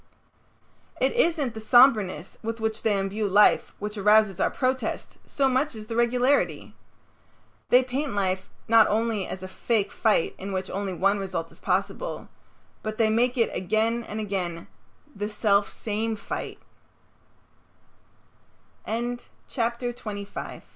It isn't the somberness with which they imbue life which arouses our protest, so much as the regularity. They paint life not only as a fake fight in which only one result is possible, but they make it again and again the se